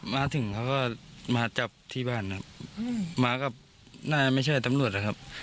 มาถึงเขาก็มาจับที่บ้านครับมาก็น่าจะไม่ใช่ตำรวจนะครับ